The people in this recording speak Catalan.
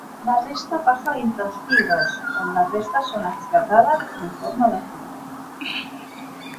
La resta passa a l'intestí gros on les restes són excretades en forma de femta.